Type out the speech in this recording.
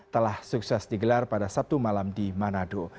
telah sukses digelar pada sabtu malam di manado